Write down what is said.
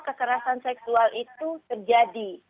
kekerasan seksual itu terjadi